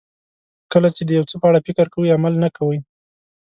کله چې د یو څه په اړه فکر کوئ عمل نه کوئ.